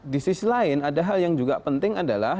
di sisi lain ada hal yang juga penting adalah